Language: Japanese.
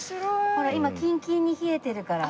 ほら今キンキンに冷えてるから。